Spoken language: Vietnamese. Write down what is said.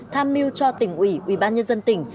tham mưu cho tỉnh ủy ủy ban nhân dân tỉnh